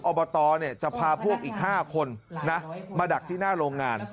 อบตจะพาพวกอีก๕คนมาดักที่หน้าโรงงาน